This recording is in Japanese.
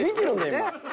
今。